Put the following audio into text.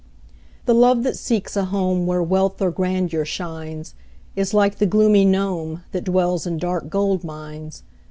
The love that seeks a home Where wealth or grandeur shines, Is like the gloomy gnome, That dwells in dark gold mines.